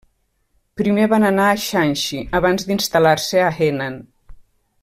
Primer van anar a Shanxi abans d'instal·lar-se a Henan.